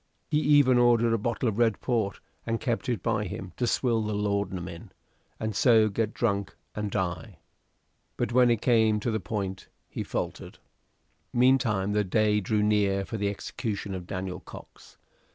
He even ordered a bottle of red port and kept it by him to swill the laudanum in, and so get drunk and die. But when it came to the point he faltered. Meantime the day drew near for the execution of Daniel Cox.